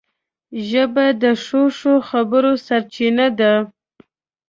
ژبه د ښو ښو خبرو سرچینه ده